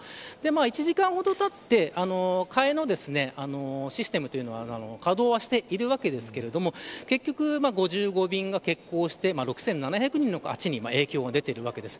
１時間ほどたって代えのシステムというのが稼働はしているわけですが結局５５便が欠航して６７００人の足に影響が出ているわけです。